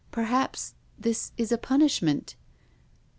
Perhaps this is a punishment."